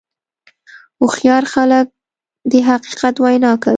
هوښیار خلک د حقیقت وینا کوي.